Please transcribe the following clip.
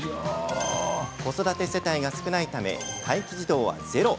子育て世代が少ないため待機児童はゼロ。